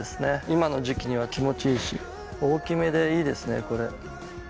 今の時期には気持ちいいし大きめでいいですねこれ。